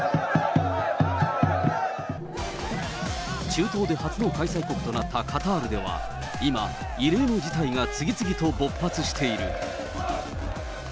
中東で初の開催国となったカタールでは、今、異例の事態が次々と勃発している。